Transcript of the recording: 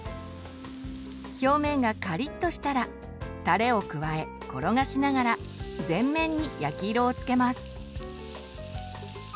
表面がカリッとしたらタレを加え転がしながら全面に焼き色をつけます。